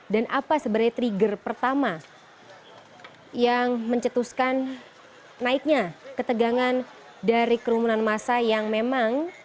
dan apa sebenarnya trigger pertama yang mencetuskan naiknya ketegangan dari kerumunan masa yang memang